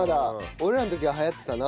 俺らの時は流行ってたな。